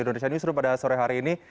indonesia newsroom pada sore hari ini